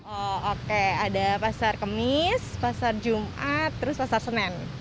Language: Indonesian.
oh oke ada pasar kemis pasar jumat terus pasar senen